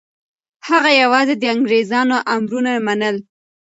هغه یوازې د انګریزانو امرونه منل.